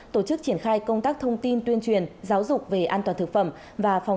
tổ chức triển khai công tác thông tin tuyên truyền giáo dục về an toàn thực phẩm và phòng